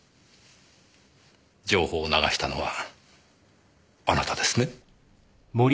情報を流したのはあなたですね？